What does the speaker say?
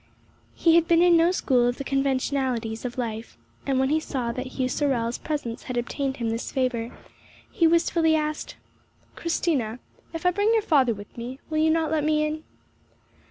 He had been in no school of the conventionalities of life, and, when he saw that Hugh Sorel's presence had obtained him this favour, he wistfully asked, "Christina, if I bring your father with me, will you not let me in?"